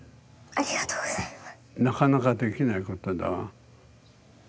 ありがとうございます。